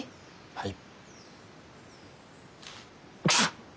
はい。